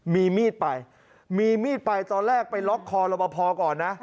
มีมีดไปตอนแรกไปล็อกคอรัวปภก่อนนะ